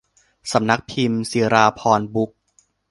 สำนักพิมพ์ศิราภรณ์บุ๊คส์